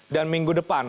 dan minggu depan